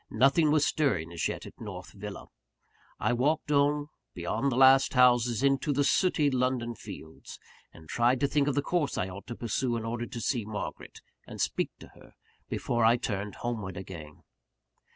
Nothing was stirring as yet at North Villa. I walked on, beyond the last houses, into the sooty London fields; and tried to think of the course I ought to pursue in order to see Margaret, and speak to her, before I turned homeward again.